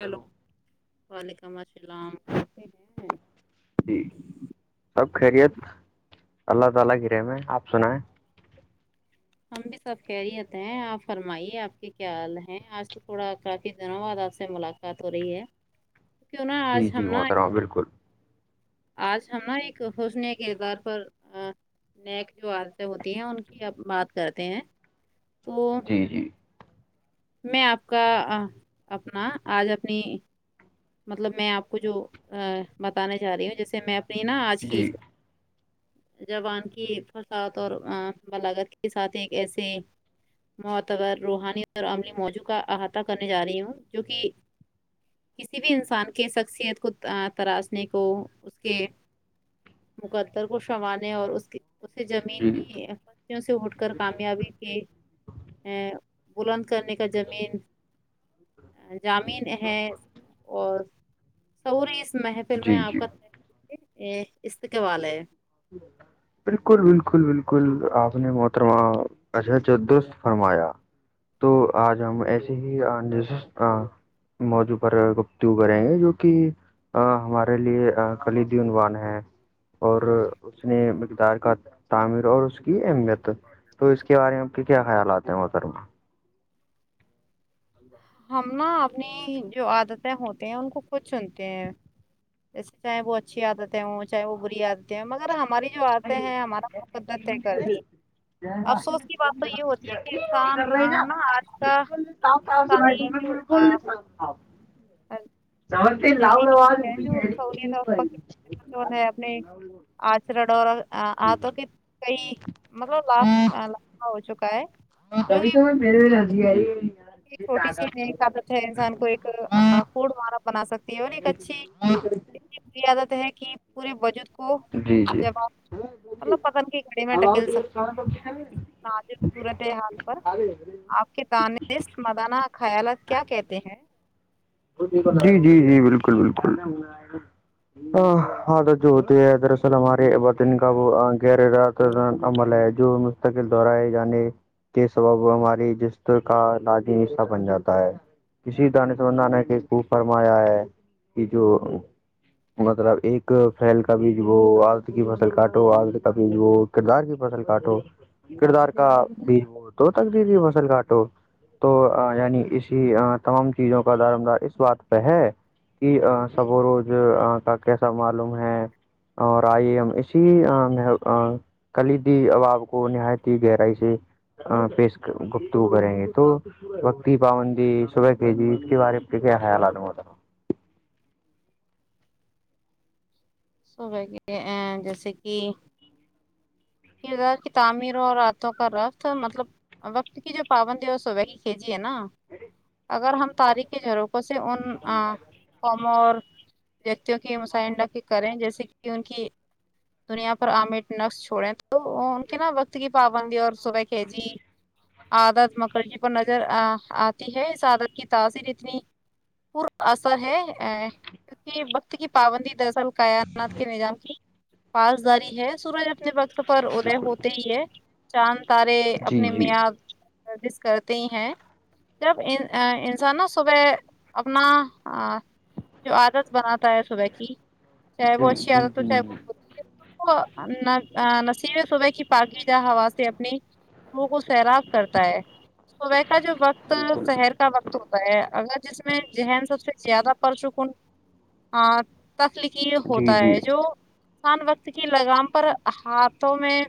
hello وعلیکم السلام اچھے ہیں جی سب خیریت اللہ تعالی کی رحم ہے اپ سنائیں ہم بھی سب خیریت ہیں آپ فرمائیے آپ کے کیا حال ہیں آج تو تھوڑا کافی دنوں بعد آپ سے ملاقا بات ہو رہی ہے کیوں نہا آج ہم نا اں بالکل آج ہم نا ایک خشنے کےدار پر نیک جو آرتیہ ہں وتی ہیں ان کیپ بات کرتے ہیں تو جیی میں آپ کا ااپنا آج اپنی مطلب میں آپ کو جو ا بتانے جا رہی ہوں جیسے میں اپنی نا آج کی جی زبان کی فساحت اور بلاگت کے ساتھ ایک ایسے روحانی اور عملی موجو کا احاطہ کرنے جا رہی ہوں جو کہ کسی بھی انسان کے سکسیتھ کو تراسنے کو اس کے مقدر کو شوانے اور اس کی اسے زمین جی کی فوں سے اٹ کر کامیابی کے ا بلند کرنے کا زامن زامین ہے سورو اس محہ [unintelligible] میں جی آپ جی کا استقبال ہے شکر اللہ بالکل بالکل بالکل آپ نے محترما اجے جو درست فرمایا تو آج ہم ایسے ہی اپتجیسے موضوع پر گپتیو کریں جو کہ ہ ہمارے لیے ہ خلیدی عنوان ہے اور اس نے مقدار کا تعمیر اور اس کی اہمیت تو اس کے ارے میں پھر کی کیا خیالات ہیں موحترما ہم نا اپنی جو عادتیں ہوتے ہیں ان کو خود چنتے ہیں جیسے چاہے وہ اچھی عادتیں ہوں چاہے وہ بری عادتیں ہ مگر ہماری جو آتے ہیں ہمارا مقدت طے کرتی ہیں افسوس کی بات تو یہ ہوتی ہے کہ انسان آنا آج کا کا انسانی جو سبیک [unintelligible] زمین ہے جو سہولت [unintelligible] چاہ ہے اپنے آچر ڈو لڑ آھوں کی کئی مطلب لاسٹ لا ہو چکا ہے جو کبھی تو کہ میں [unintelligible] ول ہج چھوٹی سی نئی عادت ہے انسان کو ایک فڈارا بنا سکتی ہے اور ایک اچھی میں ک [inaudible] میری عادت ہے کہ پورے بجود کو جی جی جب آپ مطلب پتن کی گھڑی میں دھکل سکتی ہے اور ناجب صورت حال پر آپ کی تانست مدانہ خیالات کیا کہتے ہیں جی جی جی بالکل بالکل ہ آ جووتی ہےدراصل ہماری بدن کاابو گیر کرنا عمل ہے جو نستقل دوہراےگا نی کے سبب ہماریجستے کا لازمی حصہ بن جاتا ہے کسی دان سبندان خوب فرمایا ہے کہ جو مطلب ایک فیل کا بیج وہ آرت کی فصل کاٹو آدت کا بیج وہ کردار کی فصل کاٹو کردار کا بھی ہو تو تکدب فصل کاٹو تو یعنی اسی تمام چیزوں کا دارمدار اس بات پہ ہے کہ سب و روز کا کیسا معلوم ہے اور آئی ایم اسی کلیدی اواب کو نہایت ہی گہرائی سے پیش گفتگو کریں گے تو بکتی پابندی صبح کے جی اس کے بارے میں کیسے خیالات ہے موحترما سو کے ا جیسے کہ کردار کی تعمیروں اور ہاتھوں کا رفت مطلب اور وقت کی جو پابندی ہے کی کھیجی ہے نا اگر ہم تاریخی روپوں سے ان قوم اور ویکتیوں کی مسائنہ کریں جیسے کہ ان کی دنیا پر آامر نقس چھوڑیں تو تو ان کے نا وقت کی پابندی اور صبح کے جی عادت مکرجی پر نظر آتی ہے اس عادت کی تاثیر اتنی پور اثر ہے ا کیکہ وقت کی پابندی درصل کائناات کے نظام کی پسداری ہے سورج اب اپنے وقت پر ادے بالکل ہوتے ہی ہے چاند تارے جی اپنے جی میاد گردش کرتے ہی ہیں جب ان انسان نا صبح اپنا جو عادت بناتا ہے صبح کی چاہے جی وہ اچھی جی عادت ہو چاہے وہ جی بری نصب صبح کی پاکدا ہوا سے اپنی لوگوں کو سیراب کرتا ہے صبح کا جو وقت بالکل سهر کا وقت ہوتا ہے اگر جس میں ذہن سب سے زیادہ پرسکوں جی ہوتا جی ہے جوانسان وقت کی لگام پر ہاتھوں میں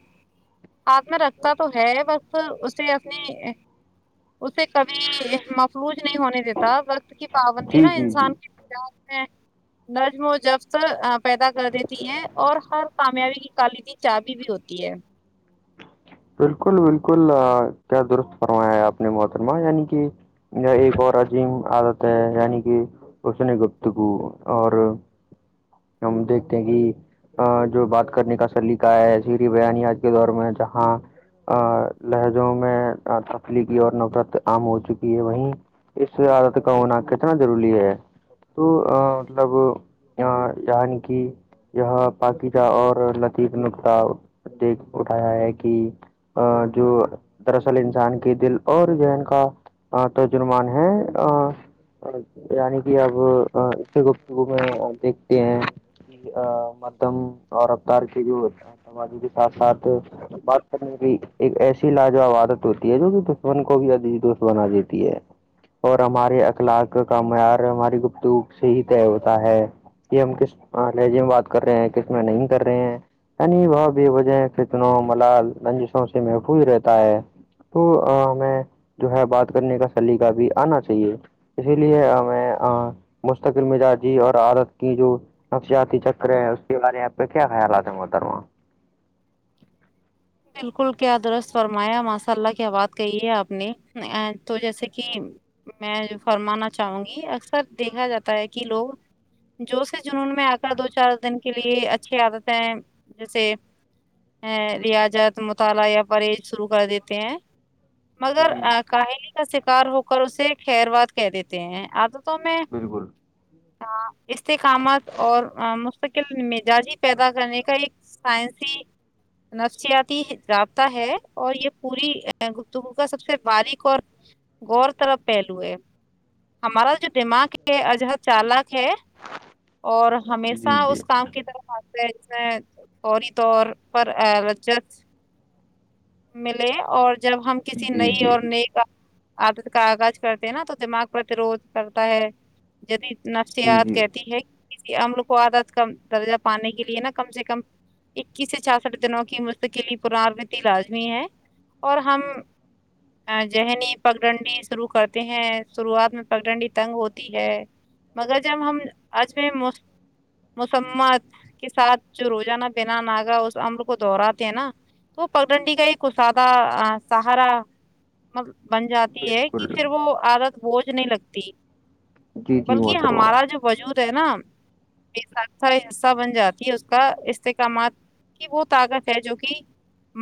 ہاتھ میں رکھتا تو ہے بس اسے اپنی اسے کبھی مفلوج نہیں ہونے دیتا وقت کی پابندی جی نا جی جی انسان کی بار میں نظم و جب سر پیدا کر دیتی ہیں اور ہر کامیابی کی کالی تی چابی بھی ہوتی ہے بالکل بالکل کیا درست فرمایا ہے آپ نے محترمہ یعنی کہ یہ ایک اور عجیم آادت ہے یعنی کہ اسی گفتگو اور ہم دیکھتے ہیں کہ جو بات کرنے کا سلیقہ ہے ایسیری بیانی آج کے دور میں جہاں ا لہجوں میں تفلیقی اور نفرت عام ہو چکی ہے وہیں اس سے عادت کا ہونا کتنا ضروری ہے تو مطلب ا یعنی کی یہاں پاقیجہ اور لطیف نقخہ دیکھ اٹھایا ہے کہ ا جو دراصل انسان کے دل اور ذهن کا تجرمان ہے یعنی کی اب اسی گفتگو میں دیکھتے ہیں ا مدم اور اوتار کے جو سمجی کے ساتھ ساتھ ب میں بھی ایک ایسی لاجوب عادت ہوتی ہے جو کہ دشمن کو بھی عزیز دوست بنا دیتی ہے اور ہمارے اخلاق کا معیار ہماری گفتوگ سے ہی طے ہوتا ہے کہ ہم کس لہجے میں بات کر رہے ہیں کس میں نہیں کر رہے ہیں عنی هوو بیواجے کتنوں ملال رنجسوں سے محفوظ ہی رہتا ہے تو ہمیں جو ہے بات کرنے کا سلیقہ بھی آنا چاہیے اسی لیے میں مستقل مزاجی اور عادت کی جو نفسیاتی چکرے ہے اس کے بارے میں آپ کا کیا خیال آتے ہے محترماں بالکل کیا درست فرمایا ماشاء اللہ کیا بات کہی ہے آپ نے تو جیسے کہ میں جو فرمانا چاہوں گی اکثر دیکھا جاتا ہے کی لوگ جو سے جنون میں آ کر دو چار دن کے لیے اچھی عادت ہیں جیسے اےے ریاض جد مطالعہ یا پرہیز شروع کر دیتے ہیں مگر جی آ کاہلی کا شکار ہو کر اسے خیر واد کہ دیتے ہیں عادتوں میں بالکل آں استحکامات اور آ مستقل مزاجی پیدا کرنے کا ایک سائنسی نفسیات تی رابطہ ہے اور یہ پوری گپتگو کا سب سے باریک اور غور طرف پہلو ہے ہمارا جو دماغ کے اجہا چالاک ہے اور ہمیشہ جی جی اس کام کی طرف [unintelligible] ملے اور جب ہم کسی جی نئی جی اور نئے کا آپ کاغذ کرتے ہیں نا تو دماغ پر ترود کرتا ہے جدید جی نفسیات جی کہتی ہے کسی عمل کو عادت کم درجہ پانے کے لیے نا کم سے کم اکیس سے چھاسٹھ دنوں کی مفت کے لی پرارنتی لازمی ہے اور ہم ذہنی پگڈنڈی شروع کرتے ہیں شروعات میں پگڈنڈی تنگ ہوتی ہے مگر جب ہم آج میں مس مسممت کے ساتھ جو روزانہ بنا ناگا اس امر کو دوہراتے ہیں نا تو پل ڈنڈی کا کو سادہ سہارا ب بن جاتی ہے کی بالکل پھر وہ عادت بوجھ نہیں لگتی جی جی بلکہ محترمہ ہمارا جو وجود ہے نا سا سا حصہ بن جاتی ہے اس کا استحکامات کی وہ طاقت ہے جو کہ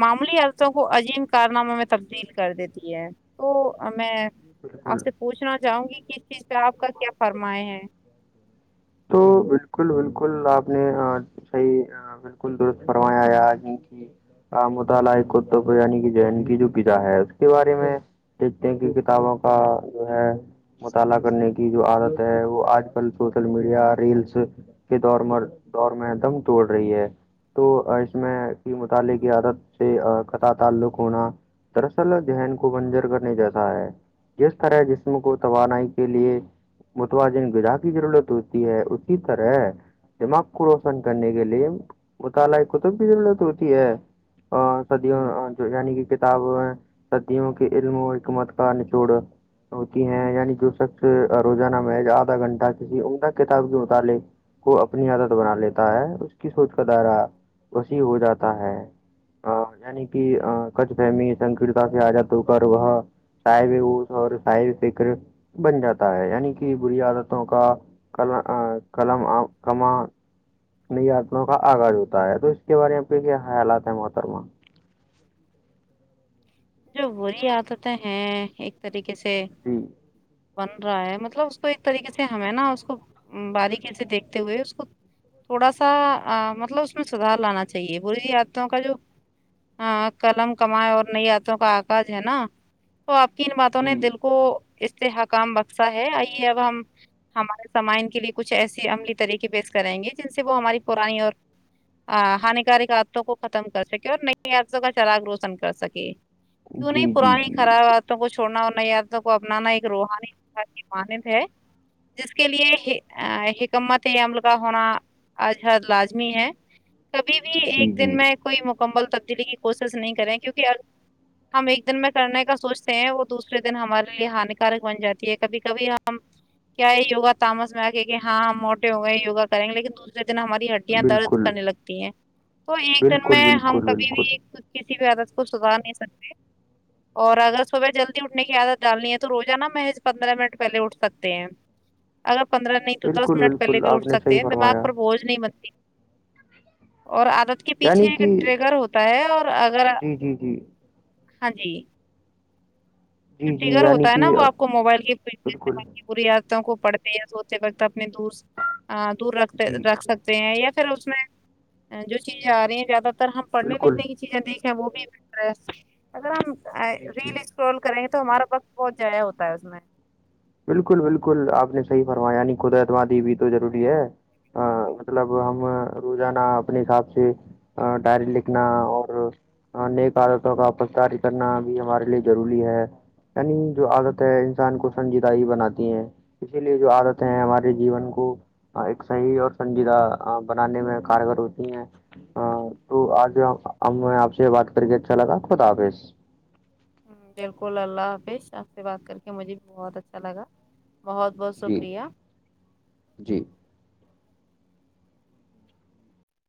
معمولی عرتوں کو عظیم کارناموں میں تبدیل کر دیتی ہے تو ہمیں بالکل، آپ سے پوچھنا چاہوں گی کہ اس چیز پہ آپ کا کیا فرمائے ہیں تو بالکل بالکل آپ نے آ صحیح آ بالکل درست فرمایا یا جن کی کا مطالعہ ہے کتب یعنی کہ جین کی جو پجا ہے اس کے بارے میں د کی کتابوں کا جو ہے [unintelligible] مطالعہ کرنے کی جو عادت ہے وہ آج کل سوشل میڈ یا ریلس کے دور میں دور میں دم توڑ رہی ہے تو اس میں کی مطالعے کی عادت سے قطا تعلق ہونا دراصل ذہن کو بنجر کرنے جیسا ہے جس طرح جسم کو توانائی کے لیے متوازن غذا کی ضرورت ہو ہے اسی طرح دماغ کو روشن کرنے کے لیے مطالعہ کتب ضرورت ہوتی ہے آ صدیوں یعنی کہ کتاب سدیوں کہ علموں حکمت کا نچوڑ ہوتی ہیں یعنی جو شخص روزانہ میں یا آدھا گھنٹہ کسی عمدہ کتاب کے متعلق کو اپنی عادت بنا لیتا ہے اس کی سوچ کا دائرہ وسیع ہو جاتا ہے ا یعنی کہ کچھ فہمی سنکرتا سے آزاد ہو کر وہ صاحب وس اور صاحب فکر بن جاتا ہے یعنی کہ بری عادتوں کا کلآ کلمم آ کما نئ آتماؤں کا آغاز ہوتا ہے تو اس کے بارے میں آپ کے کیا خیالات ہے محترما جو وہی عادتیں ہیں ایک طریقے سے ھم بن رہا ہے مطلب اس کو ایک طریقے سے ہمیں نا اس کو باریکی سے دیکھتے ہوئے اس کو تھوڑا سا آ مطلب اس میں سدھار لانا چاہیے بری عادتوں کا جو ہاں قلم کمائے اور نئی آتوں کا آکج ہے نا تو آپ کی ان باتوں جی نے دل کو اس سے حکام بکشا ہے آئیے اب ہم ہمارے سامائن کے لیے کچھ ایسے عملی طریقے پیش کریں گے جن سے وہ ہماری پرانی اور ہانیکارک عادتوں کو ختم کر سکے اور نئی عادتوں کا چرغ روشن کر سکے کیوں نہیں جی جی پرانی جی خراب بالکل عادتوں کو چھوڑنا اور نئی عادتوں کو اپنانا ایک روحانی کی مانند ہے جس کے لیے حکمت عمل کا ہونا آج ہر لازمی ہے کبھی بھی جی ایک دن جی میں کوئی مکمل تبدیلی کی کوشش نہیں کریں کیونکہ ہم ایک دن میں کرنے کا سوچتے ہیں وہ دوسرے دن ہمارے لیے ہانیکارک بن جاتی ہے کبھی کبھی ہم کیا یہیوا تامس میں آگ کہ ہاں ہم موٹے ہو گئےیوگ کریں گے لیکن دوسے دن ہمارے ہڈیاں درد بالکل کرنے لگتی ہیں تو ایک دن بالکل میں ہم بالکل کبھی بالکل بھی کچھ کسی بھی عادت کو سکھھا نہیں سکتے اور اگر صبح جلدی اٹھ کی عادت ڈالنی ہے تو روزان نا محض پندرہ منٹ پہلے اٹھ سکتے ہیں اگر پندرہ نہیں تو دس بالکل منٹ پہلے بالکل بھی اٹھ آپ نے ستے صحیح ہیں دماغ فرمایا پر بوجھ نہیں بتی اور آادت کے پیچھے یعنی ایک کہ ٹریگر ہوتا ہے اور اگر جی جی جی ہاں جی جی چھٹی جی گر یعنی ہوتا ہے نا کہ وہ آپ کو موبائل کی بالکل فال بیاتوں کو پڑھتے یا سوتے وقت اپنے دور دور رکھتے جی رکھ سکتے ہیں یا پھر اس میں جو چیزیں آرہی ہیں زیادہ تر ہم پڑھنے بالکل لکھنے کی چیزیں دیکھیں وہ بھی بہٹر اگر ہم جی جی ریل اسکرول کریں گے تو ہمارا وقت بہت جایا ہوتا ہے اس میں بالکل بالکل آپ نے صحیح فرمایا یعنی خدا تماں دی بھی تو ضروری ہے ہاں مطلب ہم روزانہ اپنے حساب سے ڈائری لکھنا اور نیک عادتوں کا اپسار کرنا بھی ہمارے لیے ضروری ہے رننگ جو عادت ہے انسان کو سنجیدہ ہی بناتی ہیں اسی لیے جو عادت ہے ہمارے جیون کو ایک صحیح اور سنجیدہ بنانے میں کارگر ہوتی ہیں ہاں تو آج آپ سے بات کر کے اچھا لگا خدا حافظ بالکل اللہ حافظ آپ سے بات کر کے مجھے بھی بہت اچھا لگا بہت بہت جی شکریہ جی